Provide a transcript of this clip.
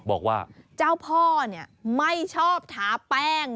บอกว่าเจ้าพ่อไม่ชอบทาแป้ง